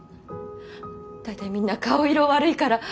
大体みんな顔色悪いから。